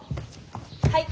はい！